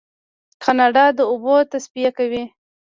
کاناډا د اوبو تصفیه کوي.